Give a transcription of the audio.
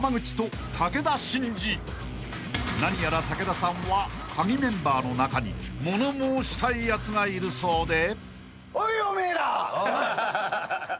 ［何やら武田さんはカギメンバーの中に物申したいやつがいるそうで］